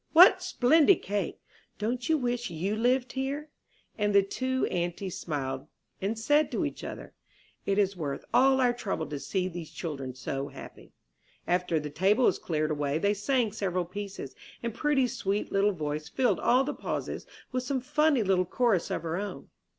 "What splendid cake!" "Don't you wish you lived here?" And the two aunties smiled, and said to each other, "It is worth all our trouble to see these children so happy." After the table was cleared away they sang several pieces, and Prudy's sweet little voice filled all the pauses with some funny little chorus of her own.